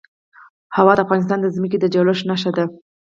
هوا د افغانستان د ځمکې د جوړښت نښه ده.